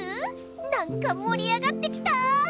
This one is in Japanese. なんかもり上がってきたぁ！